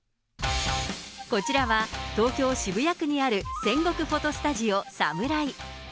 こちらは東京・渋谷区にある戦国フォトスタジオ、サムライ。